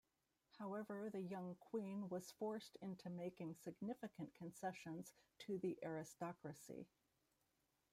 However, the young queen was forced into making significant concessions to the aristocracy.